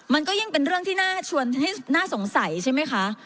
มันก็ยังเป็นเรื่องที่น่าสงสัยใช่ไหมค่ะ